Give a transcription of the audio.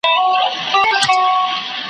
له هري تر بدخشانه ارغوان وي غوړېدلی `